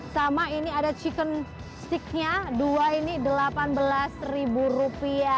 sama ini ada chicken sticknya dua ini rp delapan belas